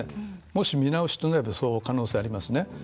もし、見直しとなればその可能性ありますね。